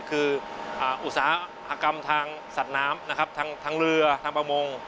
คืออุตสาหกรรมทางสัตว์น้ำนะครับทางเรือทางประมง